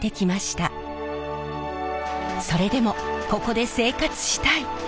それでもここで生活したい。